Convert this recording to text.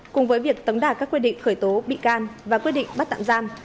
cùng với việc tống đạt các quyết định khởi tố bị can và quyết định bắt tạm giam